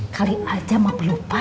kali aja ma belupa